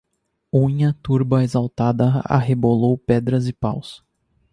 Unha turba exaltada arrebolou pedras e paus.